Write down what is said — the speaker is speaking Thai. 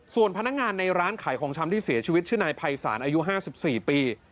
ส่วนพนักงานในร้านขายของชำที่เสียชีวิตชื่อนายภัยศาลอายุ๕๔ปี